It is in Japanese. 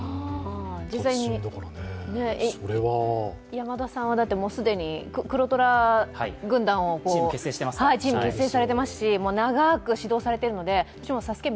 山田さんは既に黒虎軍団を、チーム結成されていますし長く指導されているので、私も「ＳＡＳＵＫＥ」